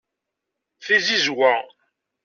Tizizwa